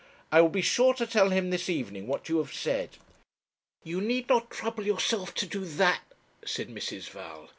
I will be sure to tell him this evening what you have said.' 'You need not trouble yourself to do that,' said Mrs. Val.